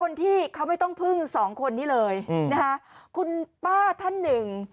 คนที่เขาไม่ต้องพึ่ง๒คนนี้เลยคุณป้าท่านหนึ่ง